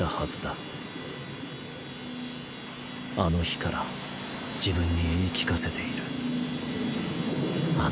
あの日から自分に言い聞かせている。